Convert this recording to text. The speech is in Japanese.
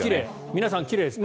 皆さん、奇麗です。